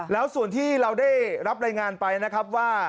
แล้วส่วนที่เราได้รับรายงานไปนะครับว่า